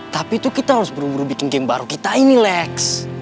tapi tuh kita harus buru buru bikin game baru kita ini lex